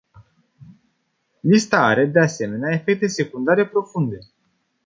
Lista are, de asemenea, efecte secundare profunde.